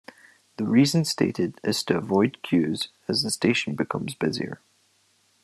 The reason stated is to avoid queues as the station becomes busier.